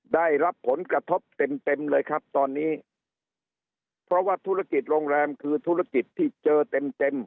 ได้รับผลกระทบเต็มเต็มเลยครับตอนนี้เพราะว่าธุรกิจโรงแรมคือธุรกิจที่เจอเต็มเต็ม